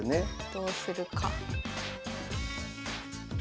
どうするか。